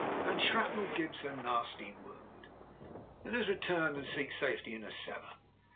And shrapnel gives a nasty wound. Let us return and seek safety in a cellar.